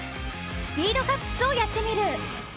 スピードカップスをやってみる。